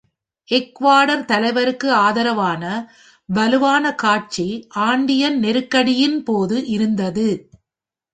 Ecuador தலைவருக்கு ஆதரவான வலுவான காட்சி ஆண்டியன் நெருக்கடியின் போது இருந்தது.